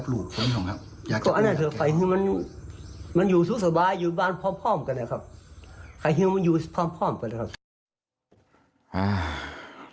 อยู่บ้านพร้อมกันนะครับ